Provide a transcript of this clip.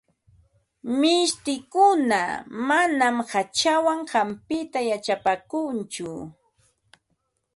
Mishtikuna manam hachawan hampita yachapaakunchu.